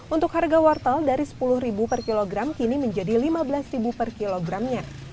untuk harga wortel dari rp sepuluh per kilogram kini menjadi rp lima belas per kilogramnya